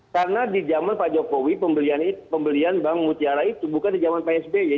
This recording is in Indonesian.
karena di zaman pak jokowi pembelian bank mutiara itu bukan di zaman psb ya